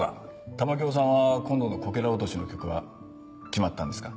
玉響さんは今度のこけら落としの曲は決まったんですか？